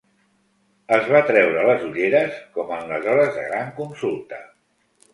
Es va treure les ulleres com en les hores de gran consulta